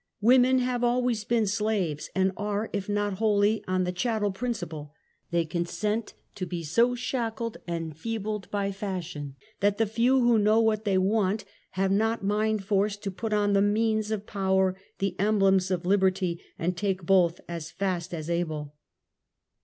\ Women have always been slaves, and are, if not wholly on the chattel principle, they consent to be so shackled and feebled by fashion, that the few who know what they want have not mind force to put on the means of jpower^ the emblems of liberty^ and take both as fast as able.